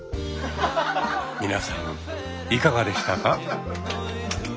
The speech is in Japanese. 皆さんいかがでしたか？